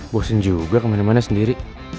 bosen juga kemana mana sendiri